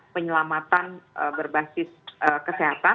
penyelamatan berbasis kesehatan